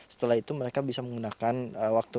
setelah itu mereka bisa menggunakan waktu